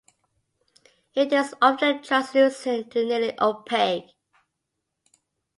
It is often translucent to nearly opaque.